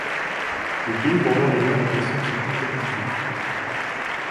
Les pays bordant les mers adjacentes sont comptabilisés.